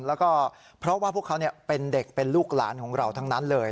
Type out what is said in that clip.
แล้วก็เพราะว่าพวกเขาเป็นเด็กเป็นลูกหลานของเราทั้งนั้นเลย